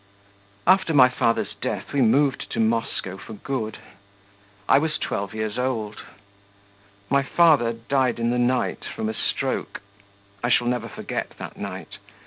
After my father's death we moved to Moscow for good. I was twelve years old. My father died in the night from a stroke. I shall never forget that night.